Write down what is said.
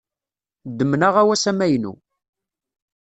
Ddmen aɣawas amaynu.